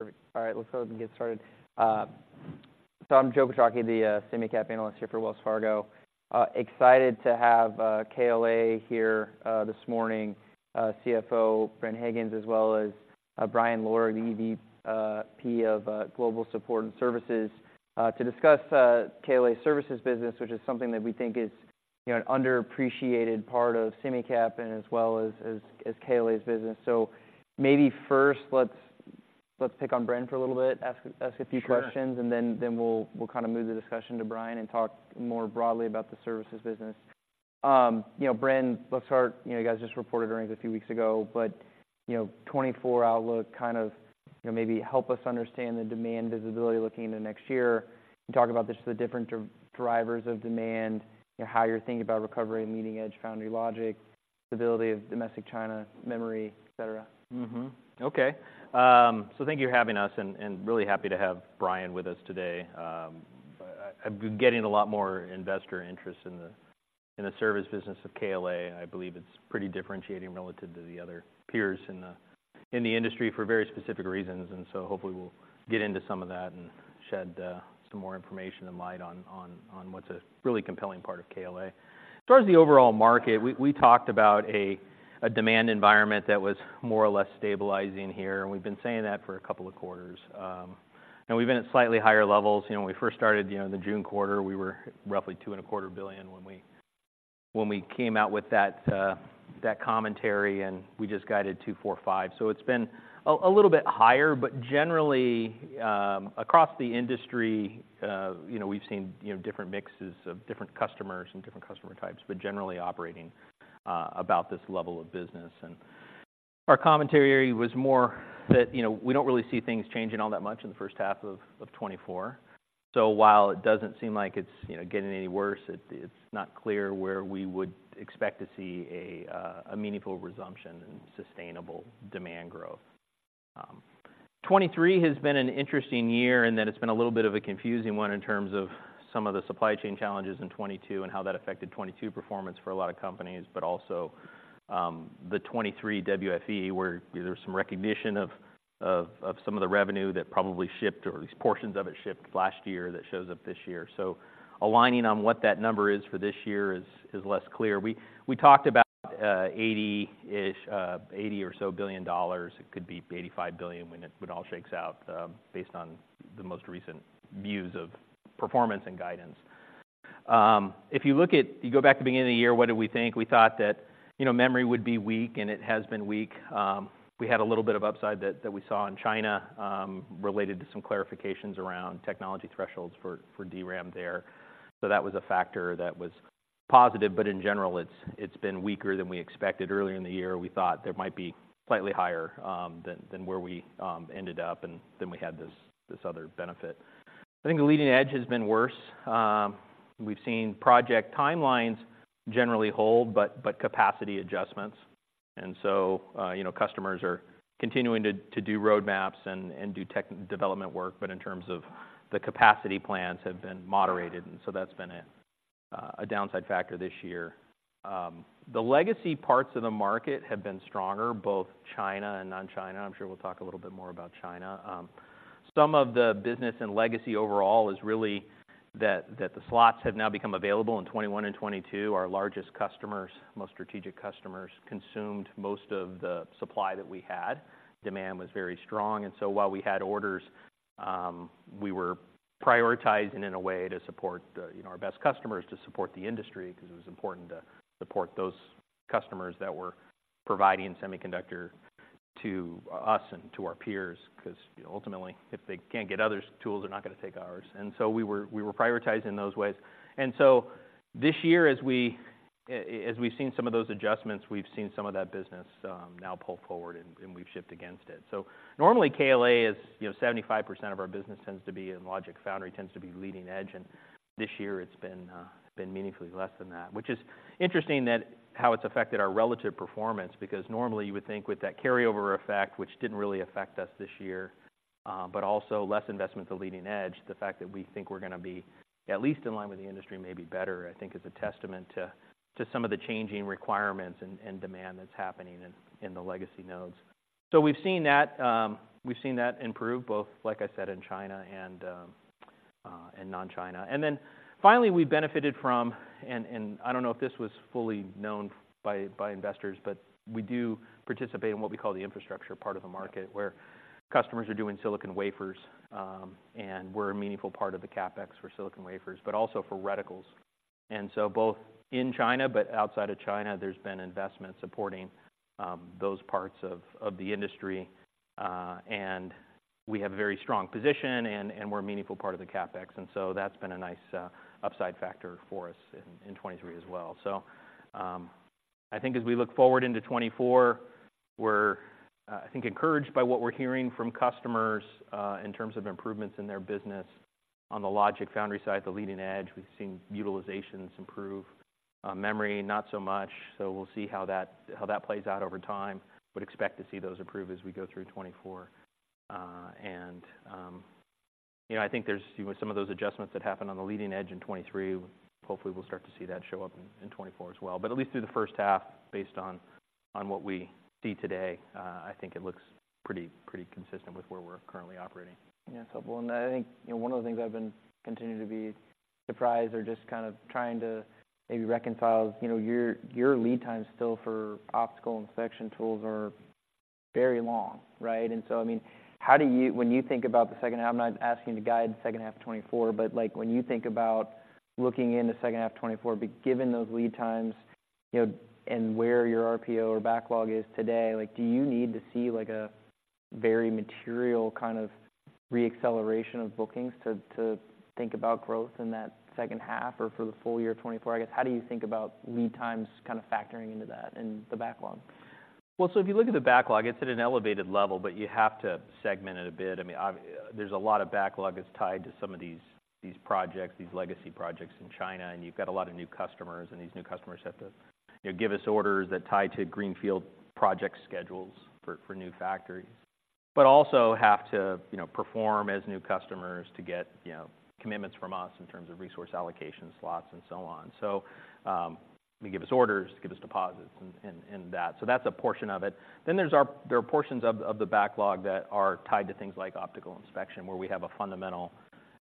All right, let's go ahead and get started. So I'm Joe Quatrochi, the SemiCap analyst here for Wells Fargo. Excited to have KLA here this morning, CFO Bren Higgins, as well as Brian Lorig, the EVP of Global Support and Services, to discuss KLA's services business, which is something that we think is, you know, an underappreciated part of SemiCap and as well as KLA's business. So maybe first, let's pick on Bren for a little bit, ask a few questions and then we'll kind of move the discussion to Brian and talk more broadly about the services business. You know, Bren, let's start. You know, you guys just reported earnings a few weeks ago, but you know, 2024 outlook, kind of, you know, maybe help us understand the demand visibility looking into next year, and talk about just the different drivers of demand, you know, how you're thinking about recovery and leading-edge foundry logic, stability of domestic China, memory, et cetera. Mm-hmm. Okay. So thank you for having us, and really happy to have Brian with us today. I've been getting a lot more investor interest in the service business of KLA. I believe it's pretty differentiating relative to the other peers in the industry for very specific reasons, and so hopefully we'll get into some of that and shed some more information and light on what's a really compelling part of KLA. As far as the overall market, we talked about a demand environment that was more or less stabilizing here, and we've been saying that for a couple of quarters. We've been at slightly higher levels. You know, when we first started, you know, in the June quarter, we were roughly $2.25 billion when we came out with that commentary, and we just guided $2.45 billion. So it's been a little bit higher, but generally, across the industry, you know, we've seen, you know, different mixes of different customers and different customer types, but generally operating about this level of business. And our commentary was more that, you know, we don't really see things changing all that much in the first half of 2024. So while it doesn't seem like it's, you know, getting any worse, it's not clear where we would expect to see a meaningful resumption and sustainable demand growth. 2023 has been an interesting year in that it's been a little bit of a confusing one in terms of some of the supply chain challenges in 2022 and how that affected 2022 performance for a lot of companies, but also, the 2023 WFE, where there was some recognition of some of the revenue that probably shipped, or at least portions of it shipped last year that shows up this year. So aligning on what that number is for this year is less clear. We talked about 80-ish, $80 billion so. It could be $85 billion when all shakes out, based on the most recent views of performance and guidance. If you look at—you go back to the beginning of the year, what did we think? We thought that, you know, memory would be weak, and it has been weak. We had a little bit of upside that we saw in China, related to some clarifications around technology thresholds for DRAM there. So that was a factor that was positive, but in general, it's been weaker than we expected earlier in the year. We thought there might be slightly higher than where we ended up, and then we had this other benefit. I think the Leading Edge has been worse. We've seen project timelines generally hold, but capacity adjustments. So, you know, customers are continuing to do roadmaps and do tech development work, but in terms of the capacity plans have been moderated, and so that's been a downside factor this year. The legacy parts of the market have been stronger, both China and non-China. I'm sure we'll talk a little bit more about China. Some of the business and legacy overall is really that, that the slots have now become available in 2021 and 2022. Our largest customers, most strategic customers, consumed most of the supply that we had. Demand was very strong, and so while we had orders, we were prioritizing in a way to support, you know, our best customers, to support the industry, because it was important to support those customers that were providing semiconductor to us and to our peers, 'cause ultimately, if they can't get other tools, they're not going to take ours. And so we were, we were prioritizing those ways. So this year, as we've seen some of those adjustments, we've seen some of that business now pull forward, and we've shipped against it. So normally, KLA is, you know, 75% of our business tends to be in logic foundry, tends to be Leading Edge, and this year it's been meaningfully less than that. Which is interesting that how it's affected our relative performance, because normally you would think with that carryover effect, which didn't really affect us this year, but also less investment to Leading Edge, the fact that we think we're gonna be at least in line with the industry, maybe better, I think is a testament to some of the changing requirements and demand that's happening in the legacy nodes. So we've seen that improve, both, like I said, in China and non-China. And then finally, we benefited from... and I don't know if this was fully known by investors, but we do participate in what we call the infrastructure part of the market, where customers are doing silicon wafers, and we're a meaningful part of the CapEx for silicon wafers, but also for reticles. And so both in China but outside of China, there's been investment supporting those parts of the industry, and we have a very strong position and we're a meaningful part of the CapEx, and so that's been a nice upside factor for us in 2023 as well. So, I think as we look forward into 2024, we're, I think, encouraged by what we're hearing from customers, in terms of improvements in their business. On the logic foundry side, the Leading Edge, we've seen utilizations improve. Memory, not so much, so we'll see how that, how that plays out over time, but expect to see those improve as we go through 2024. And, you know, I think there's some of those adjustments that happened on the Leading Edge in 2023, hopefully we'll start to see that show up in, in 2024 as well. But at least through the first half, based on, on what we see today, I think it looks pretty, pretty consistent with where we're currently operating. Yeah. So, well, and I think, you know, one of the things I've been continuing to be surprised, or just kind of trying to maybe reconcile, you know, your, your lead times still for optical inspection tools are very long, right? And so, I mean, how do you, when you think about the second half, I'm not asking you to guide the second half of 2024, but, like, when you think about looking in the second half of 2024, but given those lead times, you know, and where your RPO or backlog is today, like, do you need to see, like, a very material kind of re-acceleration of bookings to, to think about growth in that second half or for the full year of 2024? I guess, how do you think about lead times kind of factoring into that and the backlog? Well, so if you look at the backlog, it's at an elevated level, but you have to segment it a bit. I mean, there's a lot of backlog that's tied to some of these projects, these legacy projects in China, and you've got a lot of new customers, and these new customers have to, you know, give us orders that tie to greenfield project schedules for new factories. But also have to, you know, perform as new customers to get, you know, commitments from us in terms of resource allocation slots and so on. So, they give us orders, they give us deposits and that. So that's a portion of it. Then there are portions of the backlog that are tied to things like optical inspection, where we have a fundamental,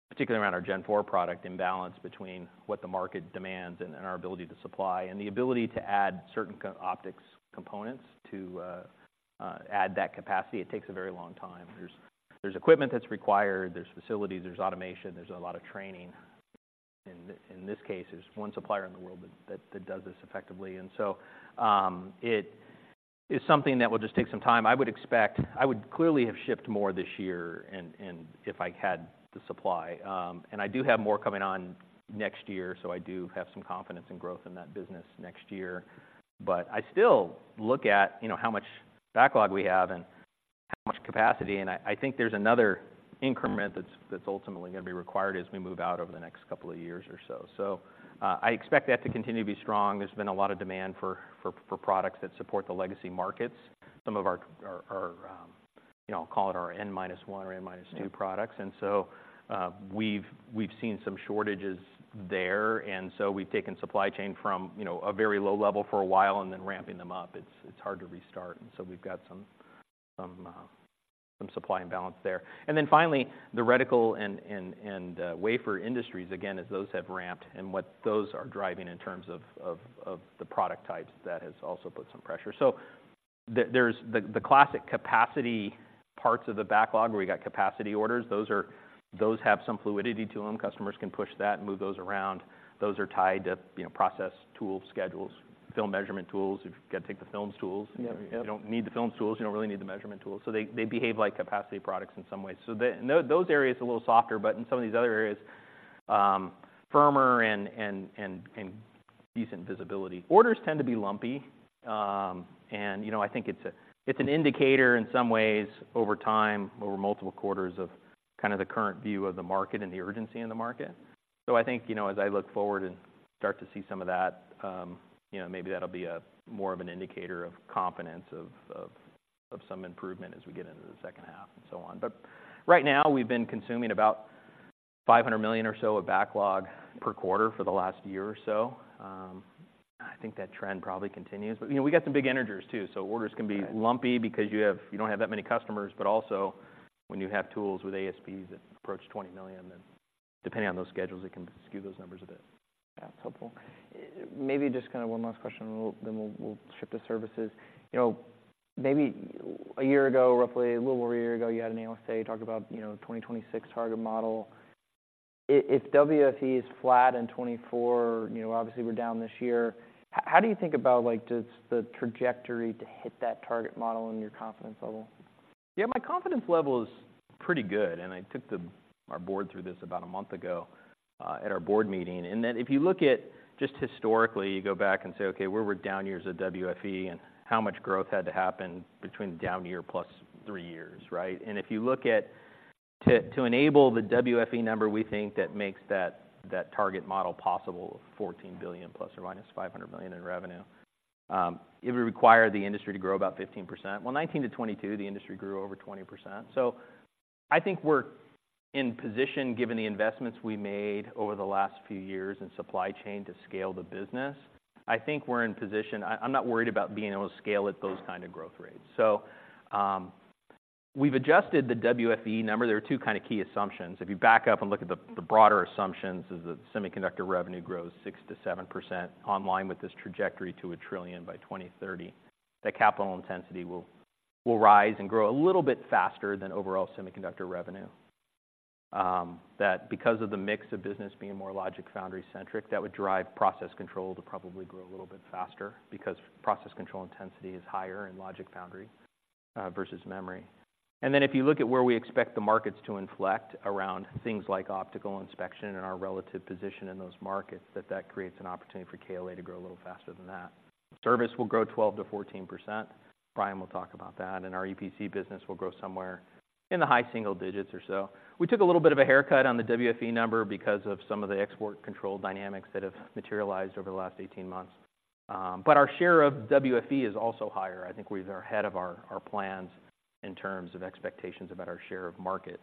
particularly around our Gen 4 product, imbalance between what the market demands and our ability to supply. And the ability to add certain kind of optics components to add that capacity, it takes a very long time. There's equipment that's required, there's facilities, there's automation, there's a lot of training. In this case, there's one supplier in the world that does this effectively. And so, it is something that will just take some time. I would expect. I would clearly have shipped more this year and if I had the supply, and I do have more coming on next year, so I do have some confidence in growth in that business next year. I still look at, you know, how much backlog we have and how much capacity, and I think there's another increment that's ultimately going to be required as we move out over the next couple of years or so. I expect that to continue to be strong. There's been a lot of demand for products that support the legacy markets. Some of our, you know, call it our N minus one or N minus two products. And so, we've seen some shortages there, and so we've taken supply chain from, you know, a very low level for a while and then ramping them up. It's hard to restart, and so we've got some supply and balance there. And then finally, the reticle and wafer industries, again, as those have ramped and what those are driving in terms of the product types, that has also put some pressure. So there, there's the classic capacity parts of the backlog, where we got capacity orders. Those have some fluidity to them. Customers can push that and move those around. Those are tied to, you know, process tool schedules, film measurement tools. If you've got to take the films tools- Yeah, yep. You don't need the films tools, you don't really need the measurement tools. So they behave like capacity products in some ways. So those areas are a little softer, but in some of these other areas, firmer and decent visibility. Orders tend to be lumpy, and, you know, I think it's an indicator in some ways, over time, over multiple quarters, of kind of the current view of the market and the urgency in the market. So I think, you know, as I look forward and start to see some of that, you know, maybe that'll be more of an indicator of confidence of some improvement as we get into the second half and so on. But right now, we've been consuming about $500 million or so of backlog per quarter for the last year or so. I think that trend probably continues. But, you know, we got some big energies too, so orders can be lumpy because you don't have that many customers, but also when you have tools with ASPs that approach $20 million, then depending on those schedules, it can skew those numbers a bit. Yeah, that's helpful. Maybe just kind of one last question, and we'll, then we'll shift to services. You know, maybe a year ago, roughly, a little over a year ago, you had an Analyst Day, talk about, you know, 2026 target model. If WFE is flat in '2024, you know, obviously we're down this year, how do you think about, like, just the trajectory to hit that target model and your confidence level? Yeah, my confidence level is pretty good, and I took our board through this about a month ago at our board meeting. And then if you look at just historically, you go back and say, "Okay, where were down years of WFE and how much growth had to happen between the down year plus three years," right? And if you look at to enable the WFE number, we think that makes that target model possible, $14 billion ± $500 million in revenue, it would require the industry to grow about 15%. Well, 2019-2022, the industry grew over 20%. So I think we're in position, given the investments we made over the last few years in supply chain to scale the business, I think we're in position. I'm not worried about being able to scale at those kind of growth rates. So, we've adjusted the WFE number. There are two kind of key assumptions. If you back up and look at the broader assumptions, is that semiconductor revenue grows 6%-7% online, with this trajectory to $1 trillion by 2030. The capital intensity will rise and grow a little bit faster than overall semiconductor revenue. That because of the mix of business being more logic foundry-centric, that would drive process control to probably grow a little bit faster, because process control intensity is higher in logic foundry versus memory. And then, if you look at where we expect the markets to inflect around things like optical inspection and our relative position in those markets, that creates an opportunity for KLA to grow a little faster than that. Service will grow 12%-14%. Brian will talk about that. And our EPC business will grow somewhere in the high single digits or so. We took a little bit of a haircut on the WFE number because of some of the export control dynamics that have materialized over the last 18 months, but our share of WFE is also higher. I think we're ahead of our plans in terms of expectations about our share of market.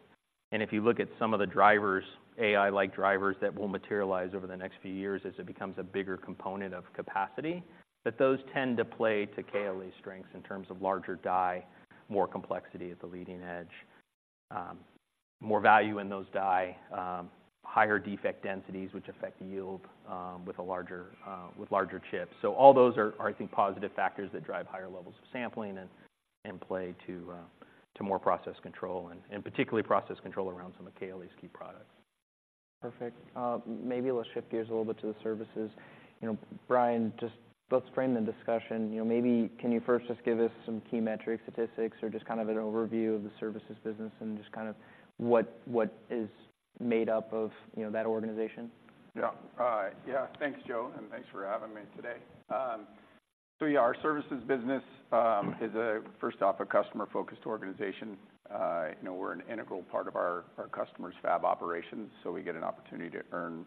And if you look at some of the drivers, AI-like drivers, that will materialize over the next few years as it becomes a bigger component of capacity, that those tend to play to KLA's strengths in terms of larger die, more complexity at the Leading Edge, more value in those die, higher defect densities, which affect the yield, with larger chips. All those are, I think, positive factors that drive higher levels of sampling and play to more process control, and particularly process control around some of KLA's key products. Perfect. Maybe let's shift gears a little bit to the services. You know, Brian, just let's frame the discussion. You know, maybe can you first just give us some key metrics, statistics, or just kind of an overview of the services business and just kind of what, what is made up of, you know, that organization? Yeah. Yeah, thanks, Joe, and thanks for having me today. So yeah, our services business is first off a customer-focused organization. You know, we're an integral part of our customers' fab operations, so we get an opportunity to earn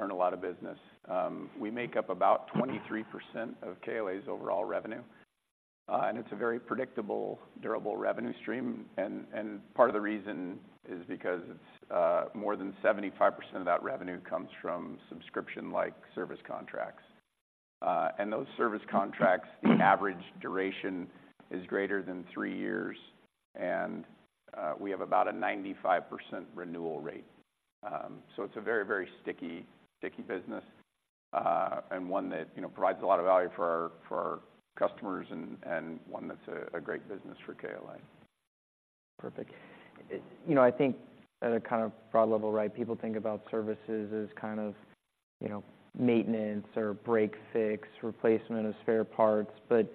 a lot of business. We make up about 23% of KLA's overall revenue, and it's a very predictable, durable revenue stream. Part of the reason is because more than 75% of that revenue comes from subscription-like service contracts. Those service contracts, the average duration is greater than three years, and we have about a 95% renewal rate. So it's a very sticky business, and one that, you know, provides a lot of value for our customers and one that's a great business for KLA. Perfect. You know, I think at a kind of broad level, right, people think about services as kind of, you know, maintenance or break-fix, replacement of spare parts. But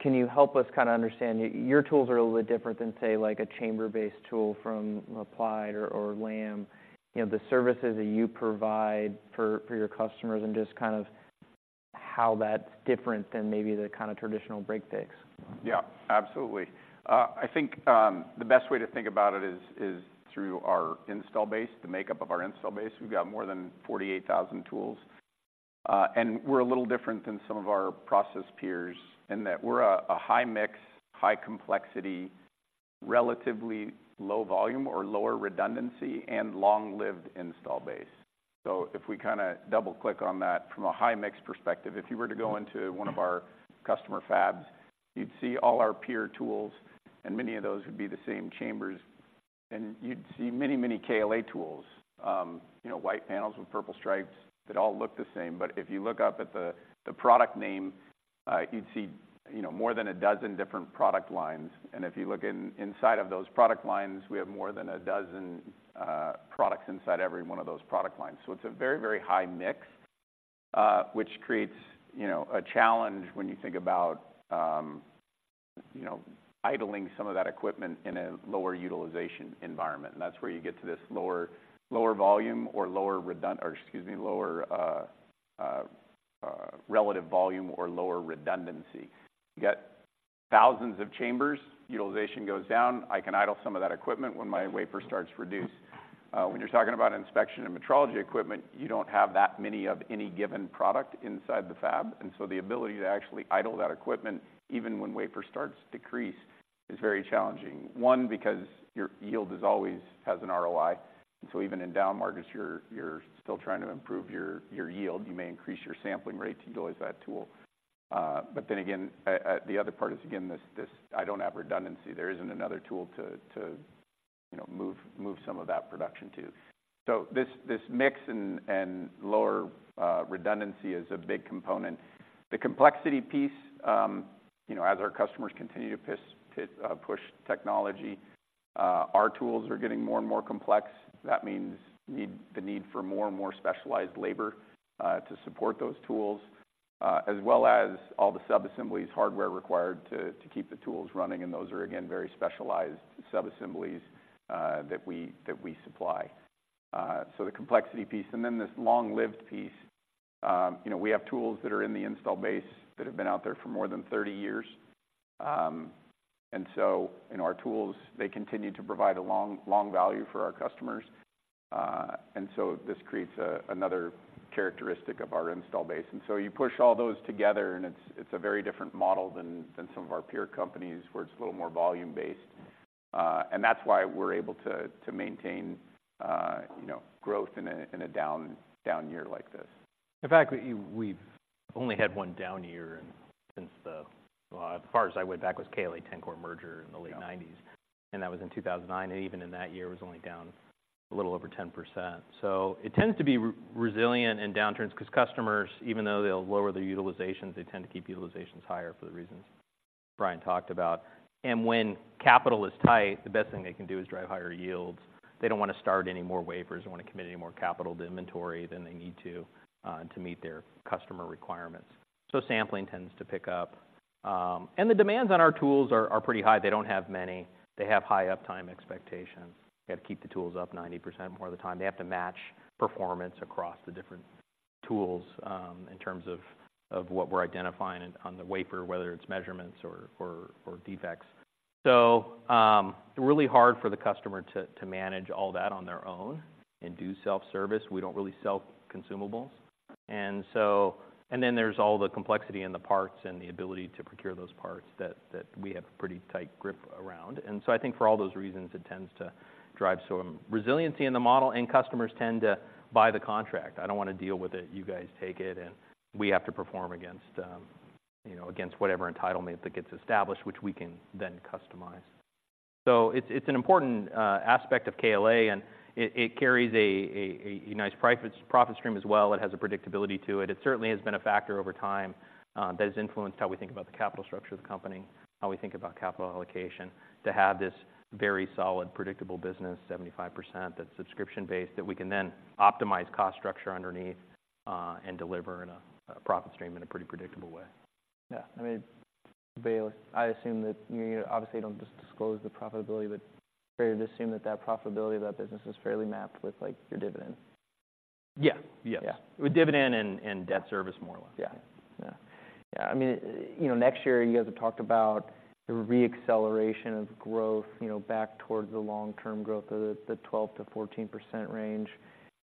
can you help us kind of understand... Your tools are a little bit different than, say, like a chamber-based tool from Applied or, or Lam, you know, the services that you provide for, for your customers and just kind of how that's different than maybe the kind of traditional break-fix. Yeah, absolutely. I think the best way to think about it is through our Install Base, the makeup of our Install Base. We've got more than 48,000 tools, and we're a little different than some of our process peers in that we're a high mix, high complexity, relatively low volume or lower redundancy, and long-lived Install Base. So if we kind of double-click on that, from a high mix perspective, if you were to go into one of our customer fabs, you'd see all our peer tools, and many of those would be the same chambers, and you'd see many, many KLA tools, you know, white panels with purple stripes that all look the same. But if you look up at the product name, you'd see, you know, more than a dozen different product lines. And if you look inside of those product lines, we have more than a dozen products inside every one of those product lines. So it's a very, very high mix, which creates, you know, a challenge when you think about idling some of that equipment in a lower utilization environment. And that's where you get to this lower relative volume or lower redundancy. You get thousands of chambers, utilization goes down. I can idle some of that equipment when my wafer starts to reduce. When you're talking about inspection and metrology equipment, you don't have that many of any given product inside the fab, and so the ability to actually idle that equipment, even when wafer starts to decrease, is very challenging. One, because your yield is always, has an ROI, and so even in down markets, you're still trying to improve your yield. You may increase your sampling rate to utilize that tool. But then again, the other part is, again, I don't have redundancy. There isn't another tool to you know, move some of that production to. So this mix and lower redundancy is a big component. The complexity piece, you know, as our customers continue to push technology, our tools are getting more and more complex. That means the need for more and more specialized labor to support those tools, as well as all the subassemblies, hardware required to keep the tools running, and those are, again, very specialized subassemblies that we supply. So the complexity piece, and then this long-lived piece, you know, we have tools that are in the install base that have been out there for more than 30 years. And so, and our tools, they continue to provide a long, long value for our customers. And so this creates another characteristic of our install base. And so you push all those together, and it's, it's a very different model than, than some of our peer companies, where it's a little more volume-based. And that's why we're able to, to maintain, you know, growth in a, in a down, down year like this. In fact, we've only had one down year since the, as far as I went back, was KLA-Tencor merger in the late 1990s. Yeah. That was in 2009, and even in that year, it was only down a little over 10%. So it tends to be resilient in downturns because customers, even though they'll lower their utilizations, they tend to keep utilizations higher for the reasons Brian talked about. And when capital is tight, the best thing they can do is drive higher yields. They don't want to start any more wafers. They don't want to commit any more capital to inventory than they need to, to meet their customer requirements. So sampling tends to pick up, and the demands on our tools are pretty high. They don't have many. They have high uptime expectations. They have to keep the tools up 90% more of the time. They have to match performance across the different tools in terms of what we're identifying on the wafer, whether it's measurements or defects. So, really hard for the customer to manage all that on their own and do self-service. We don't really sell consumables. And so, and then there's all the complexity in the parts and the ability to procure those parts that we have a pretty tight grip around. And so I think for all those reasons, it tends to drive some resiliency in the model, and customers tend to buy the contract. "I don't want to deal with it, you guys take it," and we have to perform against, you know, against whatever entitlement that gets established, which we can then customize. So it's an important aspect of KLA, and it carries a nice profit stream as well. It has a predictability to it. It certainly has been a factor over time, that has influenced how we think about the capital structure of the company, how we think about capital allocation, to have this very solid, predictable business, 75%, that's subscription-based, that we can then optimize cost structure underneath, and deliver a profit stream in a pretty predictable way. Yeah. I mean, Bren, I assume that you obviously don't just disclose the profitability, but fair to assume that that profitability of that business is fairly mapped with, like, your dividend? Yeah. Yes. Yeah. With dividend and debt service, more or less. Yeah. Yeah. Yeah, I mean, you know, next year, you guys have talked about the re-acceleration of growth, you know, back towards the long-term growth of the 12%-14% range.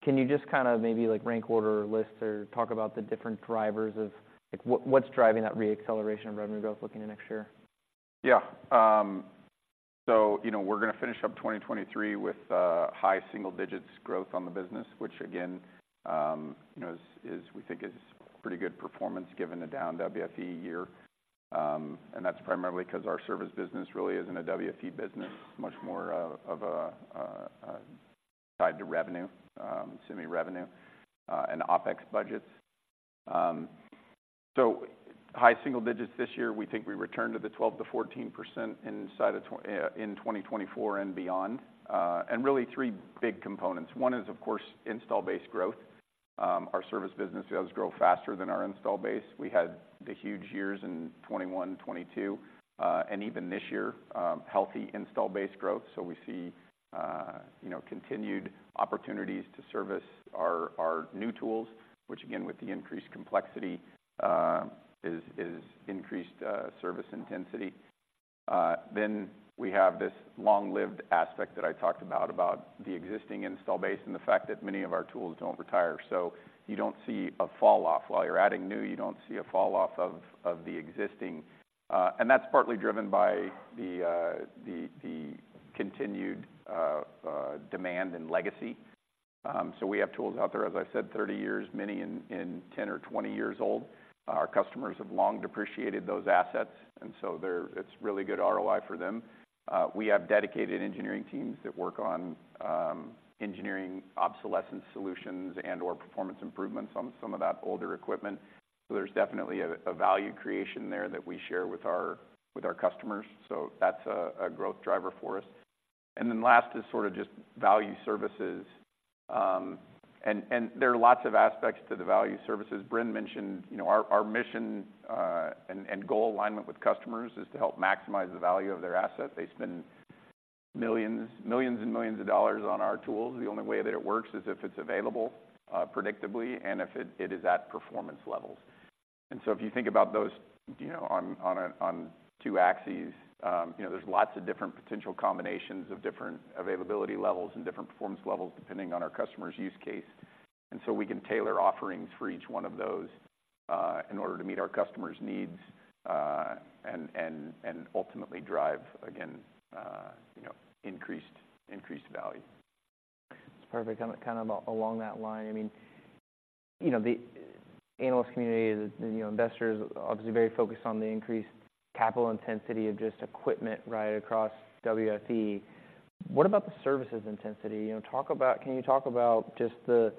Can you just kind of maybe, like, list or talk about the different drivers of... Like, what, what's driving that re-acceleration of revenue growth looking at next year? Yeah, so, you know, we're going to finish up 2023 with high single digits growth on the business, which again, you know, is we think pretty good performance given the down WFE year. And that's primarily because our service business really isn't a WFE business, much more of a tied to revenue, semi-revenue, and OpEx budgets. So high single digits this year, we think we return to the 12%-14% in 2024 and beyond. And really three big components. One is, of course, install base growth. Our service business does grow faster than our install base. We had the huge years in 2021 and 2022, and even this year, healthy install base growth. So we see, you know, continued opportunities to service our new tools, which, again, with the increased complexity, is increased service intensity. Then we have this long-lived aspect that I talked about, about the existing install base and the fact that many of our tools don't retire. So you don't see a falloff. While you're adding new, you don't see a falloff of the existing. And that's partly driven by the continued demand and legacy. So we have tools out there, as I said, 30 years, many 10 or 20 years old. Our customers have long depreciated those assets, and so they're, it's really good ROI for them. We have dedicated engineering teams that work on engineering obsolescence solutions and/or performance improvements on some of that older equipment. So there's definitely a value creation there that we share with our customers. So that's a growth driver for us. And then last is sort of just value services. And there are lots of aspects to the value services. Bren mentioned, you know, our mission and goal alignment with customers is to help maximize the value of their asset. They spend millions, millions, and millions of dollars on our tools. The only way that it works is if it's available predictably, and if it is at performance levels. And so if you think about those, you know, on two axes, you know, there's lots of different potential combinations of different availability levels and different performance levels, depending on our customer's use case. And so we can tailor offerings for each one of those, in order to meet our customers' needs, and ultimately drive, again, you know, increased value. That's perfect. Kind of along that line, I mean, you know, the analyst community, you know, investors are obviously very focused on the increased capital intensity of just equipment right across WFE. What about the services intensity? You know, talk about... Can you talk about just the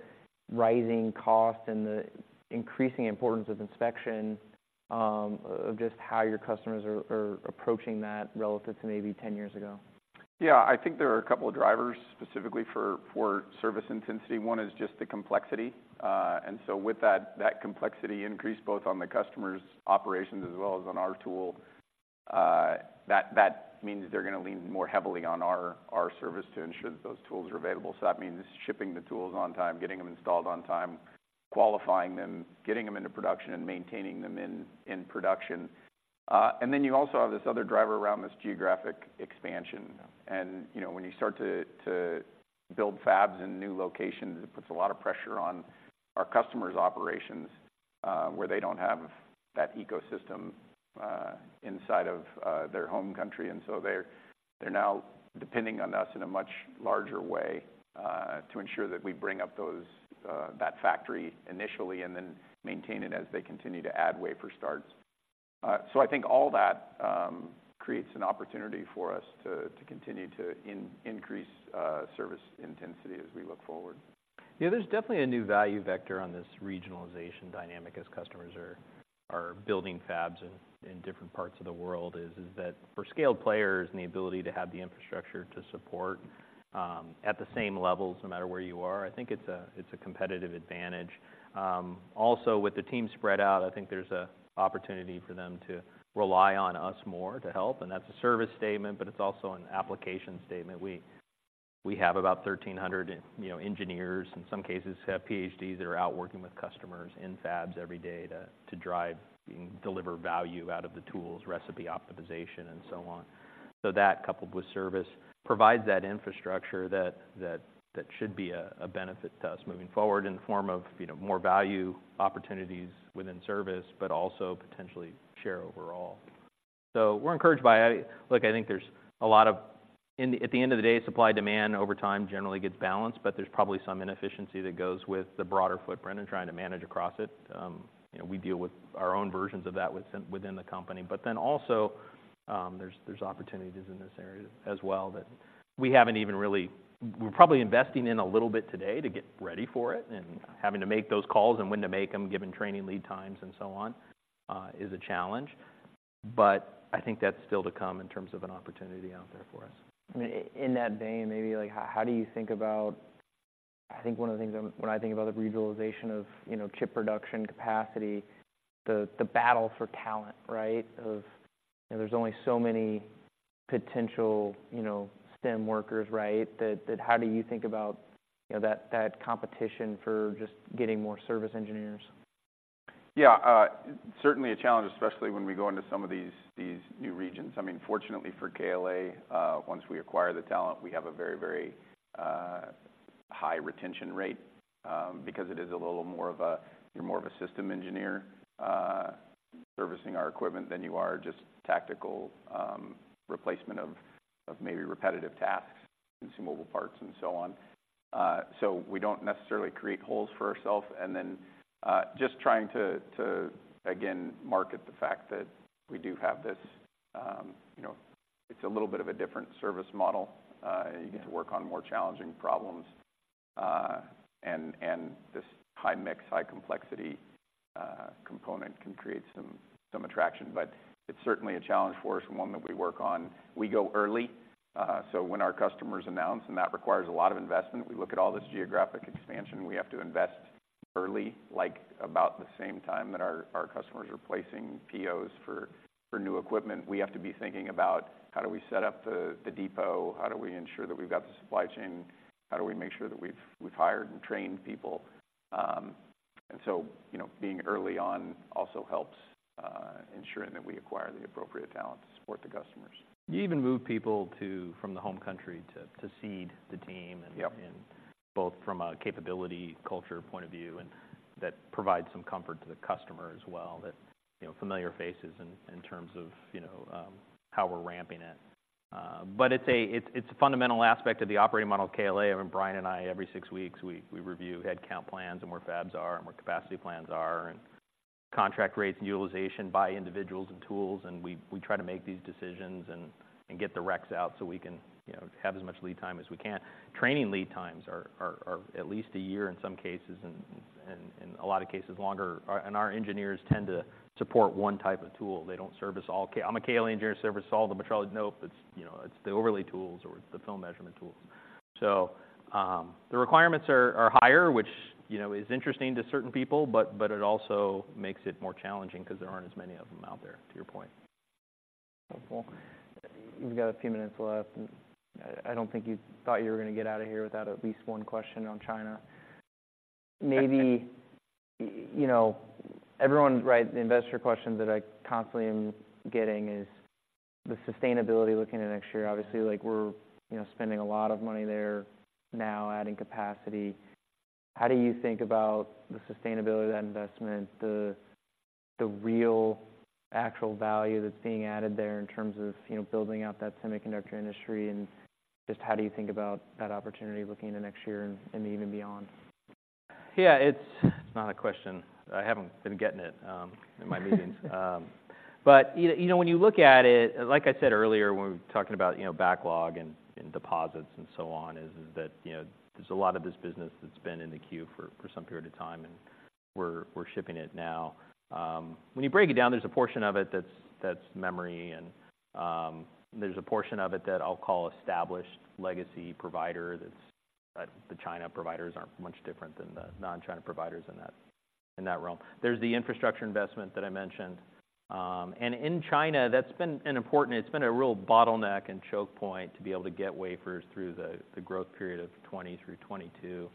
rising cost and the increasing importance of inspection, of just how your customers are approaching that relative to maybe 10 years ago? Yeah, I think there are a couple of drivers specifically for service intensity. One is just the complexity. And so with that complexity increase, both on the customer's operations as well as on our tool, that means they're going to lean more heavily on our service to ensure that those tools are available. So that means shipping the tools on time, getting them installed on time, qualifying them, getting them into production, and maintaining them in production. And then you also have this other driver around this geographic expansion. And, you know, when you start to build fabs in new locations, it puts a lot of pressure on our customers' operations, where they don't have that ecosystem inside of their home country. They're now depending on us in a much larger way to ensure that we bring up those that factory initially and then maintain it as they continue to add wafer starts. I think all that creates an opportunity for us to continue to increase service intensity as we look forward. Yeah, there's definitely a new value vector on this regionalization dynamic as customers are building fabs in different parts of the world, is that for scaled players and the ability to have the infrastructure to support at the same levels, no matter where you are. I think it's a competitive advantage. Also, with the team spread out, I think there's an opportunity for them to rely on us more to help, and that's a service statement, but it's also an application statement. We have about 1,300, you know, engineers, in some cases have PhDs, that are out working with customers in fabs every day to drive and deliver value out of the tools, recipe optimization, and so on. So that, coupled with service, provides that infrastructure that should be a benefit to us moving forward in the form of, you know, more value opportunities within service, but also potentially share overall. So we're encouraged by. Look, I think there's a lot of. In the. At the end of the day, supply-demand over time generally gets balanced, but there's probably some inefficiency that goes with the broader footprint and trying to manage across it. You know, we deal with our own versions of that within the company, but then also, there's opportunities in this area as well that we haven't even really. We're probably investing in a little bit today to get ready for it, and having to make those calls and when to make them, given training lead times and so on, is a challenge, but I think that's still to come in terms of an opportunity out there for us. I mean, in that vein, maybe, like, how do you think about... I think one of the things I'm—when I think about the regionalization of, you know, chip production capacity, the battle for talent, right? Of, you know, there's only so many potential, you know, STEM workers, right? That—how do you think about, you know, that competition for just getting more service engineers? Yeah, certainly a challenge, especially when we go into some of these new regions. I mean, fortunately for KLA, once we acquire the talent, we have a very, very high retention rate, because it is a little more of a—you're more of a system engineer servicing our equipment than you are just tactical replacement of maybe repetitive tasks, consumable parts, and so on. So we don't necessarily create holes for ourselves. And then, just trying to, again, market the fact that we do have this, you know, it's a little bit of a different service model, and you get to work on more challenging problems, and this high-mix, high-complexity component can create some attraction. But it's certainly a challenge for us, and one that we work on. We go early, so when our customers announce, and that requires a lot of investment, we look at all this geographic expansion, we have to invest early, like, about the same time that our customers are placing POs for new equipment. We have to be thinking about: How do we set up the depot? How do we ensure that we've got the supply chain? How do we make sure that we've hired and trained people? And so, you know, being early on also helps ensuring that we acquire the appropriate talent to support the customers. You even move people to... from the home country to seed the team and both from a capability culture point of view, and that provides some comfort to the customer as well, that, you know, familiar faces in, in terms of, you know, how we're ramping it. But it's a, it's, it's a fundamental aspect of the operating model of KLA, and Brian and I, every six weeks, we, we review headcount plans and where fabs are and where capacity plans are, and contract rates and utilization by individuals and tools, and we, we try to make these decisions and, and get the recs out so we can, you know, have as much lead time as we can. Training lead times are, are, are at least a year in some cases, and, and, and a lot of cases longer. Our engineers tend to support one type of tool. They don't service all K- I'm a KLA engineer, service all the metrology. Nope. It's, you know, it's the overlay tools or it's the film measurement tools. So, the requirements are higher, which, you know, is interesting to certain people, but it also makes it more challenging because there aren't as many of them out there, to your point. Well, we've got a few minutes left, and I don't think you thought you were going to get out of here without at least one question on China. Maybe, you know, everyone, right, the investor question that I constantly am getting is the sustainability looking into next year. Obviously, like, we're, you know, spending a lot of money there now, adding capacity. How do you think about the sustainability of that investment, the real actual value that's being added there in terms of, you know, building out that semiconductor industry? And just how do you think about that opportunity looking into next year and even beyond? Yeah, it's not a question. I haven't been getting it in my meetings. But you know, when you look at it, like I said earlier, when we were talking about, you know, backlog and deposits and so on, is that, you know, there's a lot of this business that's been in the queue for some period of time, and we're shipping it now. When you break it down, there's a portion of it that's memory, and there's a portion of it that I'll call established legacy provider, that's... But the China providers aren't much different than the non-China providers in that realm. There's the infrastructure investment that I mentioned. And in China, that's been an important. It's been a real bottleneck and choke point to be able to get wafers through the growth period of 2020 through 2022.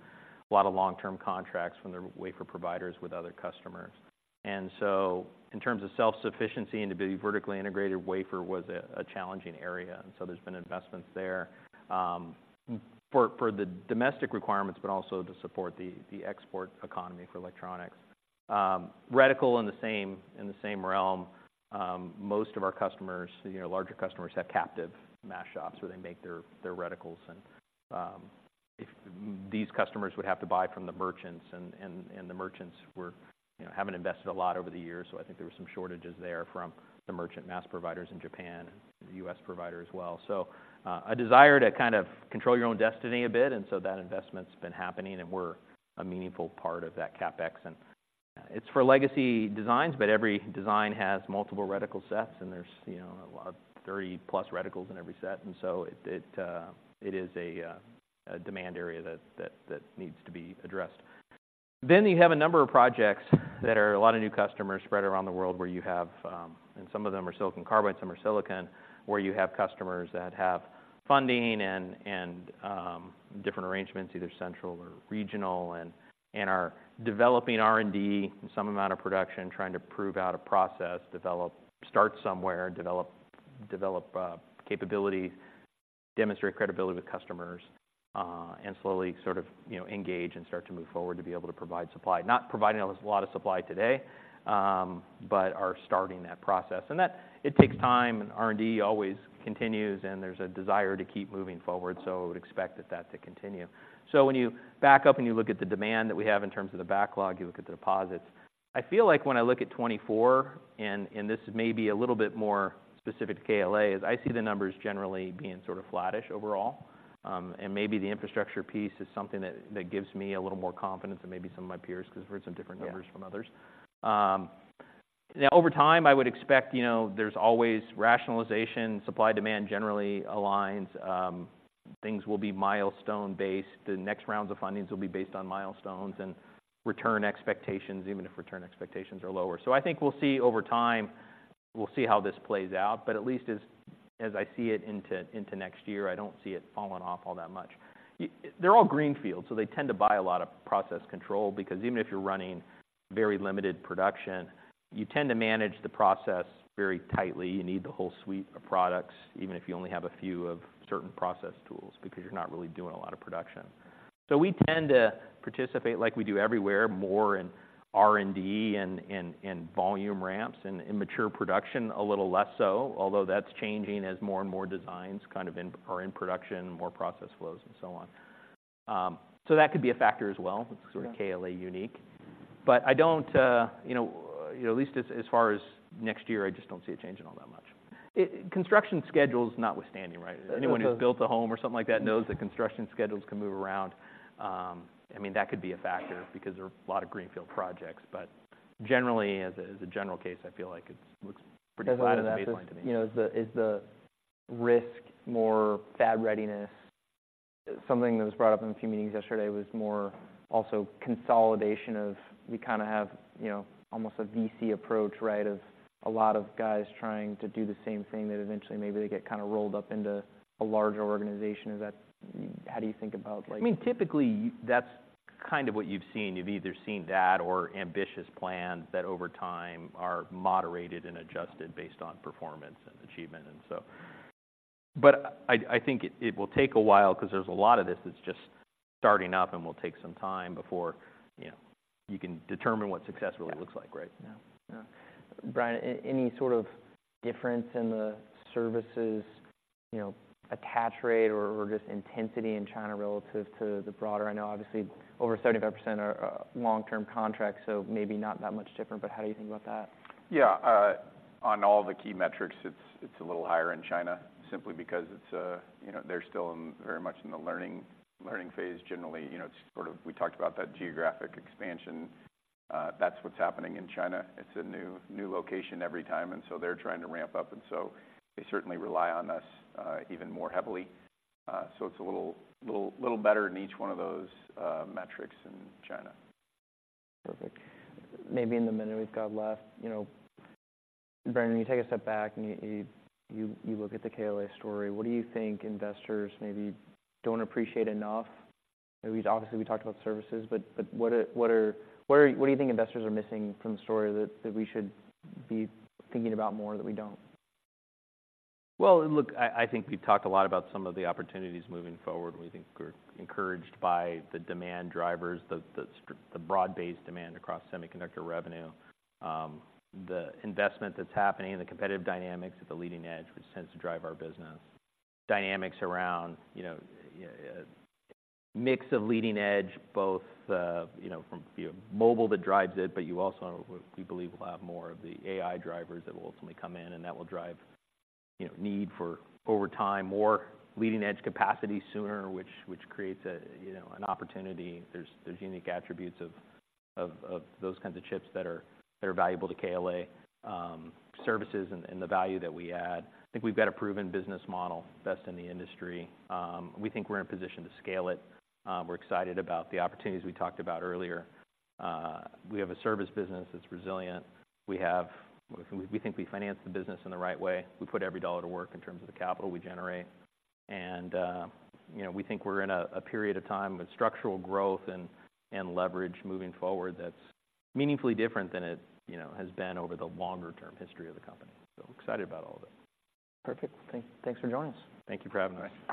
A lot of long-term contracts from the wafer providers with other customers. And so in terms of self-sufficiency and to be vertically integrated wafer was a challenging area, and so there's been investments there, for the domestic requirements, but also to support the export economy for electronics. Reticle in the same realm. Most of our customers, you know, larger customers, have captive mask shops where they make their reticles, and if these customers would have to buy from the merchants, and the merchants were, you know, haven't invested a lot over the years, so I think there were some shortages there from the merchant mask providers in Japan and the U.S. provider as well. So, a desire to kind of control your own destiny a bit, and so that investment's been happening, and we're a meaningful part of that CapEx. And it's for legacy designs, but every design has multiple reticle sets, and there's, you know, a lot of 30+ reticles in every set, and so it is a demand area that needs to be addressed. Then you have a number of projects that are a lot of new customers spread around the world, where you have, and some of them are silicon carbide, some are silicon, where you have customers that have funding and different arrangements, either central or regional, and are developing R&D and some amount of production, trying to prove out a process, develop, start somewhere, capability, demonstrate credibility with customers, and slowly sort of, you know, engage and start to move forward to be able to provide supply. Not providing a lot of supply today, but are starting that process. And that it takes time, and R&D always continues, and there's a desire to keep moving forward, so I would expect that to continue. So when you back up, and you look at the demand that we have in terms of the backlog, you look at the deposits. I feel like when I look at 2024, and, and this may be a little bit more specific to KLA, is I see the numbers generally being sort of flattish overall. And maybe the infrastructure piece is something that gives me a little more confidence than maybe some of my peers, because I've heard some different numbers from others. Yeah. Now, over time, I would expect, you know, there's always rationalization. Supply, demand generally aligns. Things will be milestone based. The next rounds of fundings will be based on milestones and return expectations, even if return expectations are lower. So I think we'll see over time, we'll see how this plays out, but at least as I see it into next year, I don't see it falling off all that much. They're all greenfield, so they tend to buy a lot of process control, because even if you're running very limited production, you tend to manage the process very tightly. You need the whole suite of products, even if you only have a few of certain process tools, because you're not really doing a lot of production. So we tend to participate, like we do everywhere, more in R&D and volume ramps and in mature production, a little less so, although that's changing as more and more designs kind of are in production, more process flows, and so on. So that could be a factor as well. That's sort of KLA unique. But I don't, you know, at least as far as next year, I just don't see it changing all that much. Construction schedules notwithstanding, right? Yeah. Anyone who's built a home or something like that knows that construction schedules can move around. I mean, that could be a factor because there are a lot of greenfield projects, but generally, as a general case, I feel like it looks pretty flat as a baseline to me. You know, is the risk more fab readiness? Something that was brought up in a few meetings yesterday was more also consolidation of, we kind of have, you know, almost a VC approach, right, of a lot of guys trying to do the same thing, that eventually maybe they get kind of rolled up into a larger organization. Is that... How do you think about, like? I mean, typically, that's kind of what you've seen. You've either seen that or ambitious plans that over time are moderated and adjusted based on performance and achievement and so... But I think it will take a while because there's a lot of this that's just starting up and will take some time before, you know, you can determine what success really looks like, right? Yeah. Yeah. Brian, any sort of difference in the services, you know, attach rate or, or just intensity in China relative to the broader? I know obviously, over 75% are long-term contracts, so maybe not that much different, but how do you think about that? Yeah, on all the key metrics, it's a little higher in China, simply because it's, you know, they're still very much in the learning phase. Generally, you know, sort of, we talked about that geographic expansion, that's what's happening in China. It's a new location every time, and so they're trying to ramp up, and so they certainly rely on us even more heavily. So it's a little better in each one of those metrics in China. Perfect. Maybe in the minute we've got left, you know, Brian, when you take a step back, and you look at the KLA story, what do you think investors maybe don't appreciate enough? Obviously, we talked about services, but what do you think investors are missing from the story that we should be thinking about more that we don't? Well, look, I think we've talked a lot about some of the opportunities moving forward, and we think we're encouraged by the demand drivers, the broad-based demand across semiconductor revenue. The investment that's happening and the competitive dynamics at the Leading Edge, which tends to drive our business. Dynamics around, you know, mix of Leading Edge, both, you know, from, you know, mobile that drives it, but you also, we believe, will have more of the AI drivers that will ultimately come in, and that will drive, you know, need for over time, more Leading Edge capacity sooner, which creates a, you know, an opportunity. There's unique attributes of those kinds of chips that are valuable to KLA. Services and the value that we add, I think we've got a proven business model, best in the industry. We think we're in a position to scale it. We're excited about the opportunities we talked about earlier. We have a service business that's resilient. We think we finance the business in the right way. We put every dollar to work in terms of the capital we generate, and, you know, we think we're in a period of time with structural growth and leverage moving forward that's meaningfully different than it, you know, has been over the longer-term history of the company. So excited about all of it. Perfect. Thanks for joining us. Thank you for having us.